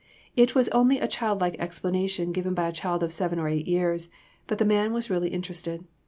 It was only a child like explanation given by a child of seven or eight years, but the man was really interested.